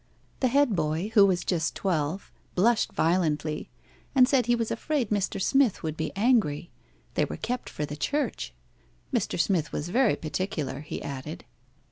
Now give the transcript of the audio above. The head boy, who was just twelve, blushed violently, and said he was afraid Mr. Smith would be angry. They were kept for the church. Mr. Smith was very particular, he added.